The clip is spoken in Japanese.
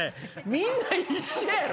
みんな一緒やろ！